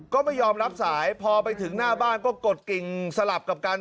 ก็ไม่ยอมรับสายพอไปถึงหน้าบ้านก็กดกิ่งสลับกับกัน